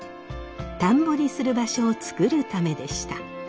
田んぼにする場所を作るためでした。